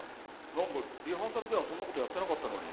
なんかリハーサルではそんなことやってなかったのに。